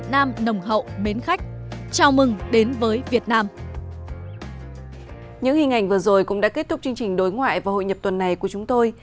những hình ảnh vừa rồi cũng đã kết thúc chương trình đối ngoại và hội nhập tuần này của chúng tôi